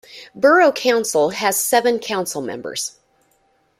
Borough Council has seven council members.